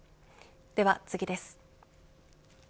では次です。